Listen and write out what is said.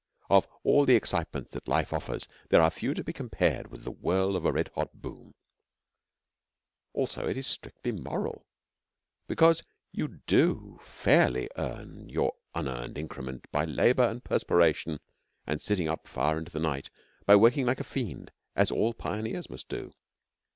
Of all the excitements that life offers there are few to be compared with the whirl of a red hot boom; also it is strictly moral, because you do fairly earn your 'unearned increment' by labour and perspiration and sitting up far into the night by working like a fiend, as all pioneers must do.